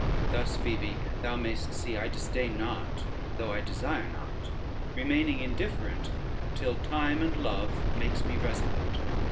Thus, Phoebe, thou mayest see I disdain not, though I desire not; remaining indifferent till time and love makes me resolute.